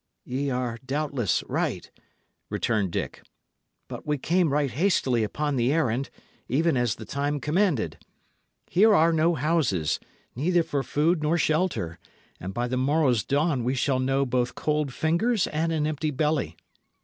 "Ye are, doubtless, right," returned Dick; "but we came right hastily upon the errand, even as the time commanded. Here are no houses, neither for food nor shelter, and by the morrow's dawn we shall know both cold fingers and an empty belly.